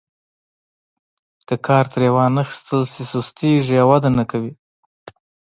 که کار ترې وانخیستل شي سستیږي او وده نه کوي.